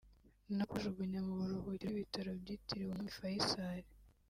no kuwujugunya mu buruhukiro bw’ibitaro byitiriwe umwami Faiçal